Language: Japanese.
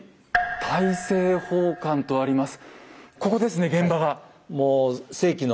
「大政奉還」とあります。